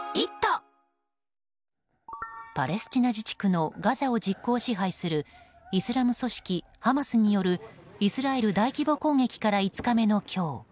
パレスチナ自治区のガザを実効支配するイスラム組織ハマスによるイスラエル大規模攻撃から５日目の今日。